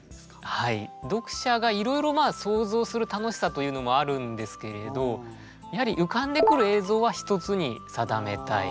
はい読者がいろいろ想像する楽しさというのもあるんですけれどやはり浮かんでくる映像は一つに定めたい。